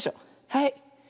はい。